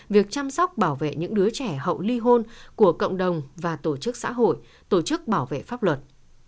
việc chăm sóc bảo vệ những đứa trẻ hậu ly hôn của cộng đồng và tổ chức xã hội tổ chức bảo vệ pháp luật